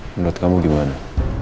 menurut kamu gimana